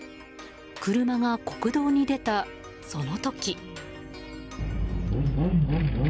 車が国道に出たその時。